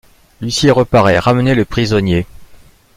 L’huissier reparaît.— Ramenez le prisonnier.